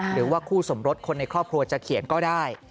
หรือว่าคู่สมรสคนในครอบครัวจะเขียนก็ได้